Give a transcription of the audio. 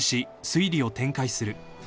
推理を展開する］